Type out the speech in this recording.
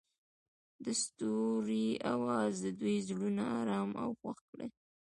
د ستوري اواز د دوی زړونه ارامه او خوښ کړل.